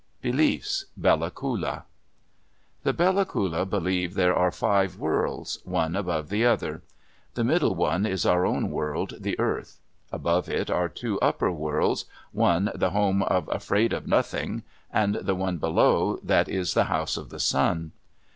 BELIEFS Bella Coola The Bella Coola believe there are five worlds, one above the other. The middle one is our own world, the earth. Above it are two upper worlds, one the home of Afraid of Nothing, and the one below that is the House of the Sun.